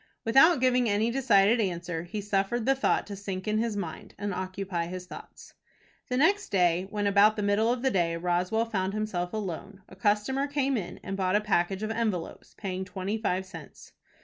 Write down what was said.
Without giving any decided answer, he suffered the thought to sink into his mind, and occupy his thoughts. The next day when about the middle of the day Roswell found himself alone, a customer came in and bought a package of envelopes, paying twenty five cents.